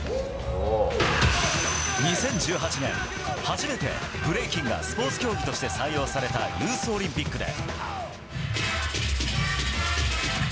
２０１８年初めてブレイキンがスポーツ競技として採用されたユースオリンピックで。